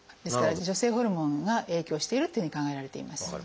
ですから女性ホルモンが影響しているというふうに考えられています。